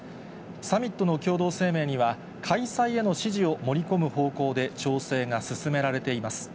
サミットの共同声明には、開催への支持を盛り込む方向で調整が進められています。